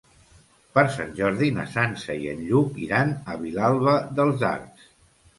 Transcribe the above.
Per Sant Jordi na Sança i en Lluc iran a Vilalba dels Arcs.